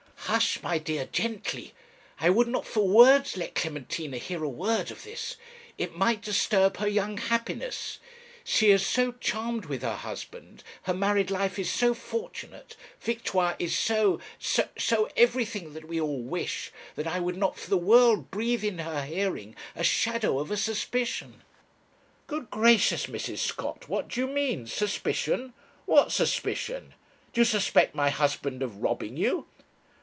'Hush! my dear gently I would not for worlds let Clementina hear a word of this; it might disturb her young happiness. She is so charmed with her husband; her married life is so fortunate; Victoire is so so so everything that we all wish, that I would not for the world breathe in her hearing a shadow of a suspicion.' 'Good gracious! Mrs. Scott, what do you mean? Suspicion! what suspicion? Do you suspect my husband of robbing you?'